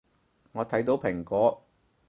我睇到蘋果